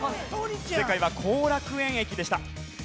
正解は後楽園駅でした。